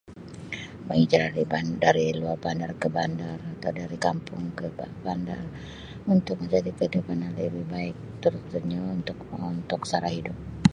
Berhijrah di bandar [unintelligible] bandar ke bandar berhijrah dari kampung ke bandar untuk mencari kehidupan yang lebih baik [unintelligible] untuk sara hidup.